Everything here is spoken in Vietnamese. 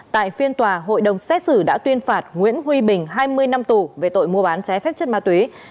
tại phiên tòa hội đồng xét xử đã tuyên phạt nguyễn huy bình hai mươi năm tù về tội mua bán trái phép chất ma túy